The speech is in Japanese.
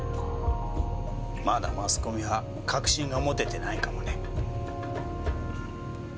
まだマスコミは確信が持ててないかもね。